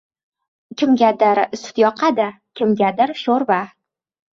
• Kimgadir sut yoqadi, kimgadir ― sho‘rva.